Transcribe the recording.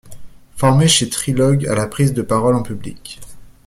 Formée chez trilog à la prise de parole en public.